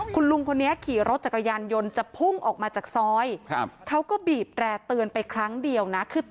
คุณลุงพอเนี่ยขี่รถจักรยานยนต์จะพุ่งออกมาจากซ้อย